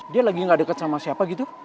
dia lagi gak deket sama siapa gitu